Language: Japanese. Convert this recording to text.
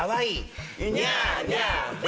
ニャーニャー。